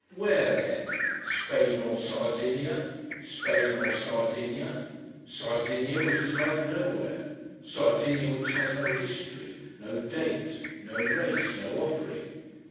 Where then? Spain or Sardinia. Spain or Sardinia. Sardinia, which is like nowhere. Sardinia, which has no history, no date, no race, no offering.